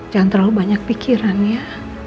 jangan terlalu banyak pikiran ya